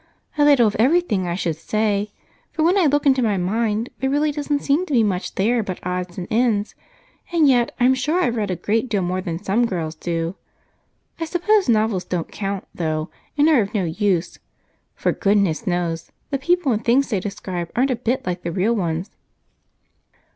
"A little of everything I should say, for when I look into my mind there really doesn't seem to be much there but odds and ends, and yet I'm sure I've read a great deal more than some girls do. I suppose novels don't count, though, and are of no use, for, goodness knows, the people and things they describe aren't a bit like the real ones."